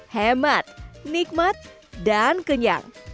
hemat nikmat dan kenyang